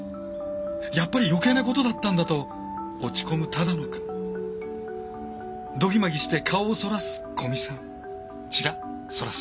「やっぱり余計なことだったんだ」と落ち込む只野くん。ドギマギして顔をそらす古見さん。